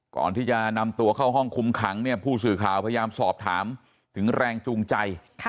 ก่อนที่จะนำตัวเข้าห้องคุมขังเนี่ยผู้สื่อข่าวพยายามสอบถามถึงแรงจูงใจ